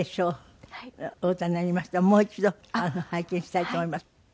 もう一度拝見したいと思います。